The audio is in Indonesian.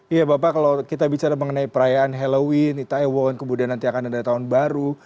iya bapak kalau kita bicara mengenai perayaan halloween di taiwan kemudian nanti akan ada tahun baru